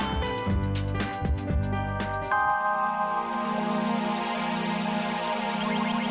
hidup ujang hidup ujang